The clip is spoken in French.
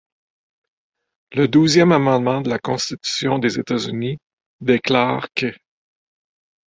Le douzième amendement de la Constitution des États-Unis déclare qu’.